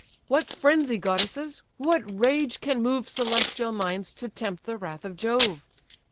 "What frenzy goddesses! what rage can move Celestial minds to tempt the wrath of Jove?